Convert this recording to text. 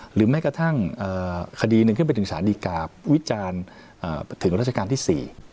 แม้กระทั่งคดีหนึ่งขึ้นไปถึงสารดีกาวิจารณ์ถึงราชการที่๔